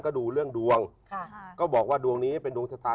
ก็ต้องบอกว่าดวงนี้เป็นดวงชตา